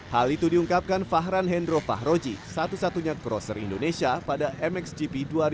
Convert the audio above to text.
hal itu diungkapkan fahran hendro fahroji satu satunya crosser indonesia pada mxgp dua ribu dua puluh